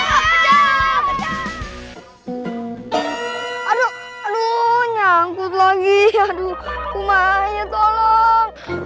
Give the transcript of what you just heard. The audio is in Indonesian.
aduh aduh nyangkut lagi aduh kumanya tolong